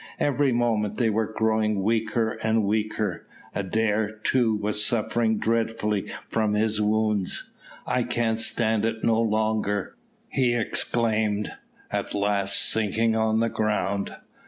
Every moment they were growing weaker and weaker. Adair, too, was suffering dreadfully from his wounds. "I can stand it no longer," he exclaimed, at last sinking on the ground.